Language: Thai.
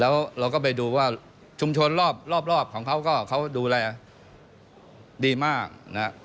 แล้วเราก็ไปดูว่าชุมชนรอบของเขาก็เขาดูแลดีมากนะ